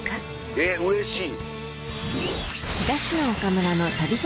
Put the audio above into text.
えっうれしい。